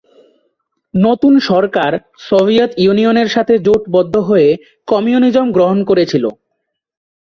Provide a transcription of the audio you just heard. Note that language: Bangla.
নতুন সরকার সোভিয়েত ইউনিয়নের সাথে জোটবদ্ধ হয়ে কমিউনিজম গ্রহণ করেছিল।